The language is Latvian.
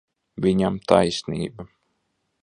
Viņam taisnība.